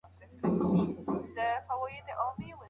زه به ورزش کړی وي.